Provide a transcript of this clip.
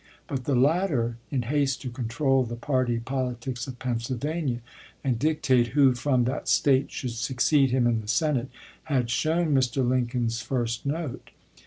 But the latter, in haste to control the party politics of Pennsylvania, and dictate who from that State should succeed him in the Senate, had shown Mr. Lincoln's first note.